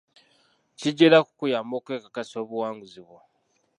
Kijja era kukuyamba okwekakasa obuwanguzi bwo.